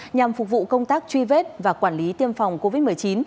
nhằm phục vụ công tác truy vết và quản lý tiêm phòng covid một mươi chín